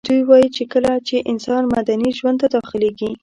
دوی وايي کله چي انسان مدني ژوند ته داخليږي